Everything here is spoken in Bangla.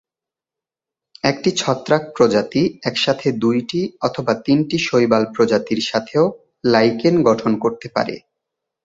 একটি ছত্রাক প্রজাতি একসাথে দুইটি অথবা তিনটি শৈবাল প্রজাতির সাথেও লাইকেন গঠন করতে পারে।